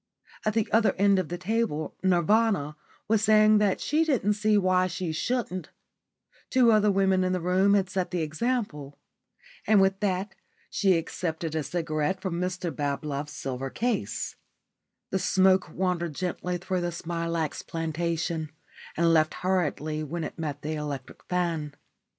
At the other end of the table "Nirvana" was saying that she didn't see why she shouldn't two other women in the room had set the example. And with that she accepted a cigarette from Mr Bablove's silver case. The smoke wandered gently through the smilax plantation, and left hurriedly when it met the electric fan.